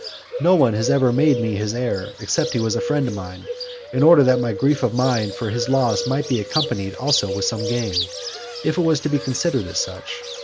No one has ever made me his heir except he was a friend of mine, in order that my grief of mind for his loss might be accompanied also with some gain, if it was to be considered as such.